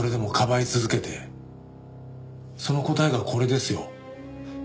その答えがこれですよ。